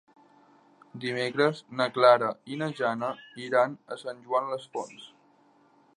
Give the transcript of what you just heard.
Dimecres na Clara i na Jana iran a Sant Joan les Fonts.